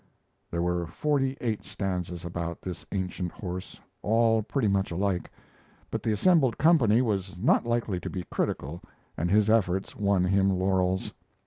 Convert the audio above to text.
There were forty eight stanzas about this ancient horse, all pretty much alike; but the assembled company was not likely to be critical, and his efforts won him laurels.